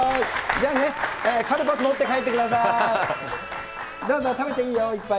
じゃあね、カルパス持って帰ってください。